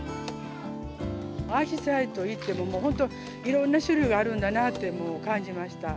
あじさいといっても、もう本当、いろんな種類があるんだなってもう感じました。